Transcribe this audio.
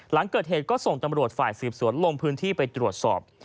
หลังเกิดเหตุก็ส่งตำรวจฝ่ายสืบสวนลงพื้นที่ไปตรวจสอบ